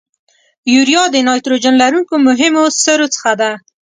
یوریا د نایتروجن لرونکو مهمو سرو څخه ده.